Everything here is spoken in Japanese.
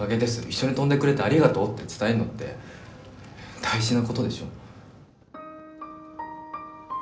一緒に飛んでくれてありがとう」って伝えるのって大事な事でしょ？